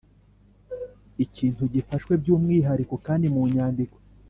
ikintu gifashwe by’umwihariko kandi mu nyandiko